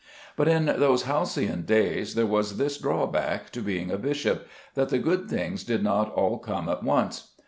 But in those halcyon days, there was this drawback to being a bishop, that the good things did not all come at once.